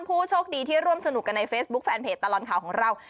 ผู้โชคดีที่ร่วมสนุกกันในเฟซบุ๊คแฟนเพจตลอดข่าวของเรา